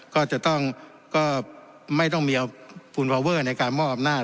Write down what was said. ก็จะต้องไม่ต้องมีเอาพวงไว้ในการมอบน่า